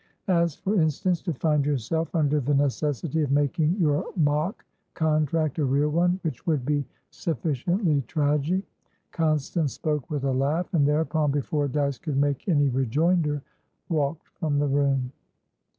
"As, for instance, to find yourself under the necessity of making your mock contract a real onewhich would be sufficiently tragic." Constance spoke with a laugh, and thereupon, before Dyce could make any rejoinder, walked from the room.